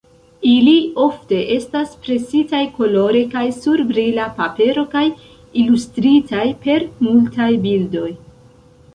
Ili ofte estas presitaj kolore kaj sur brila papero kaj ilustritaj per multaj bildoj.